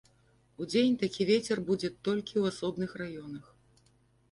Удзень такі вецер будзе толькі ў асобных раёнах.